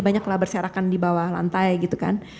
banyak lah berserakan di bawah lantai gitu kan